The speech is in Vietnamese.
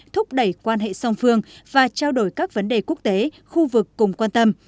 thúc đẩy quan hệ song phương và trao đổi các vấn đề quốc tế khu vực cùng quan tâm